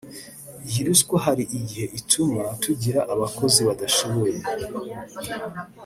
Iyi ruswa hari igihe ituma tugira abakozi badashoboye